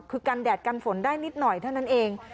คือกันแดดกันฝนได้นิดหน่อยเท่านั้นเอง